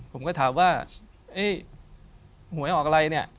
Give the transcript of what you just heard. ผมก็ถามว่าหวยออกอะไรเนี่ย